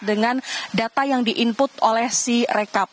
dengan data yang di input oleh sirekap